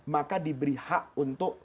maka diberi hak untuk